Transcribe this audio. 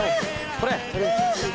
これ。